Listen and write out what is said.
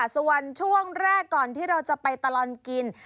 ส่วนช่วงแรกก่อนที่เราจะไปตลอดกิน